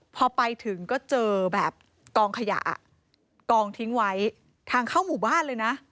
พอไปถึงก็เจอแบบกองขยะกองทิ้งไว้ทางเข้าหมู่บ้านเลยนะ